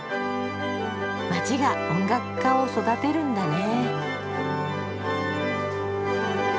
街が音楽家を育てるんだね。